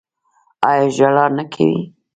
ایا ژړا نه کوي؟